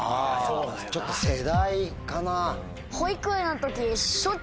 ちょっと世代かな。